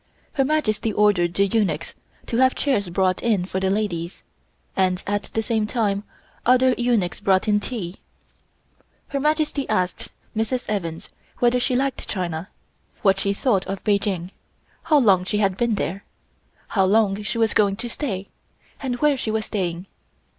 Her Majesty ordered the eunuchs to have chairs brought in for the ladies, and at the same time other eunuchs brought in tea. Her Majesty asked Mrs. Evans whether she liked China; what she thought of Peking; how long she had been there; how long she was going to stay, and where she was staying.